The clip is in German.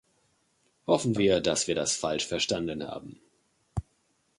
Hoffen wir, dass wir das falsch verstanden haben.